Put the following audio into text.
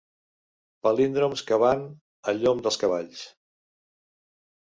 Palíndroms que van a llom dels cavalls.